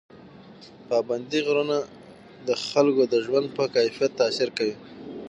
پابندي غرونه د خلکو د ژوند په کیفیت تاثیر کوي.